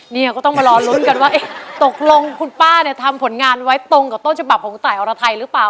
เนี่ยก็ต้องมารอลุ้นกันว่าตกลงคุณป้าเนี่ยทำผลงานไว้ตรงกับต้นฉบับของคุณตายอรไทยหรือเปล่า